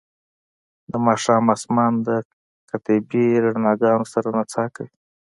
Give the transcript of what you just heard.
د ماښام اسمان د قطبي رڼاګانو سره نڅا کوي